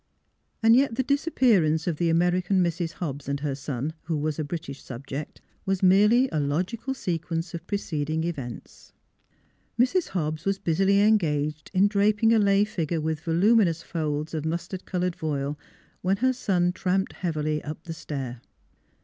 And yet the disappearance of the American Mrs. Hobbs and her son, who was a British sub ject, was merely a logical sequence of preceding events. Mrs. Hobbs was busily engaged in draping a lay figure with voluminous folds of mustard colored voile when her son tramped heavily up the stair.